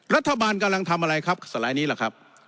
รัฐบาลกำลังทำอะไรครับสไลด์นี้แหละครับ